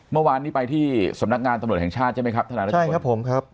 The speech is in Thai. เมื่อวานนี้ไปที่สำนักงานตำรวจแห่งชาติใช่ไหมครับทนายรัชพลครับผมครับ